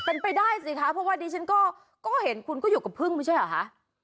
เป็นไปได้สิคะเพราะว่าดิฉันก็เห็นคุณก็อยู่กับพึ่งไม่ใช่เหรอคะ